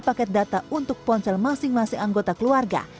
mereka hanya harus membeli paket data untuk ponsel masing masing anggota keluarga